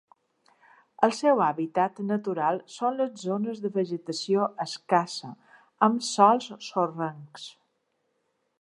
El seu hàbitat natural són les zones de vegetació escassa amb sòls sorrencs.